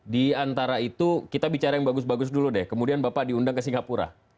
di antara itu kita bicara yang bagus bagus dulu deh kemudian bapak diundang ke singapura